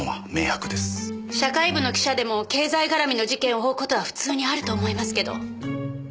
社会部の記者でも経済絡みの事件を追う事は普通にあると思いますけど。